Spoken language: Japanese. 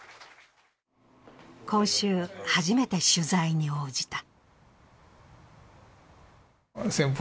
今週、初めて取材に応じた。